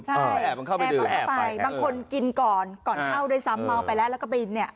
ใช่แอบมันเข้าไปดื่มแอบมันเข้าไปบางคนกินก่อนก่อนข้าวด้วยซ้ำมาวไปแล้วแล้วก็ไปเนี้ย